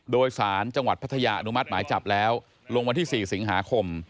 โดยสารจังหวัดพัทยาอนุมัติหมายจับแล้วลงวันที่๔สิงหาคม